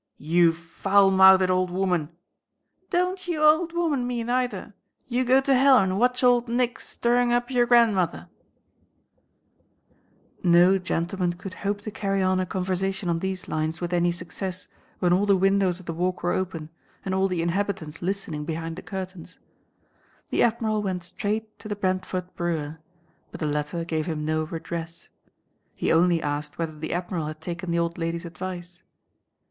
"You foul mouthed old woman—!" "Don't you 'ould woman' me, neither. You go to hell and watch ould Nick stirrin' up yer grandmother!" [Illustration: THE REVEREND JACOB STERNROYD, D.D.] No gentleman could hope to carry on a conversation on these lines with any success when all the windows of the Walk were open, and all the inhabitants listening behind the curtains. The Admiral went straight to the Brentford brewer, but the latter gave him no redress. He only asked whether the Admiral had taken the old lady's advice.